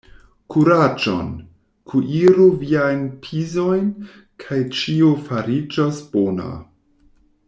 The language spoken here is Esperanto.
Kuraĝon! Kuiru viajn pizojn kaj ĉio fariĝos bona!